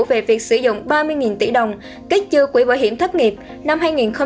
về việc sử dụng ba mươi tỷ đồng kết chư quỹ bảo hiểm thất nghiệp năm hai nghìn hai mươi